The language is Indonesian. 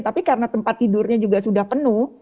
tapi karena tempat tidurnya juga sudah penuh